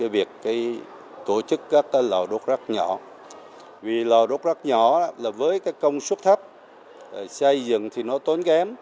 vì lò đốt rác nhỏ với công suất thấp xây dựng thì nó tốn kém